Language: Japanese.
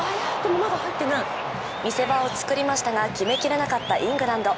見せ場を作りましたが決めきれなかったイングランド。